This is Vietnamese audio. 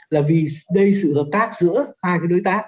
là vì đây sự hợp tác giữa hai cái đối tác